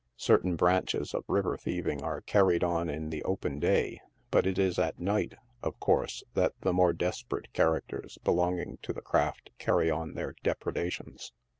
Certain branches of river thieving are carried on in the open day, but it is at night, of course, that the more desperate characters belonging to the craft carry on their depredations.